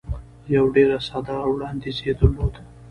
یو ډېر ساده وړاندیز یې درلود.